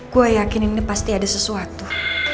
gue yakinin ini pasti ada sesuatu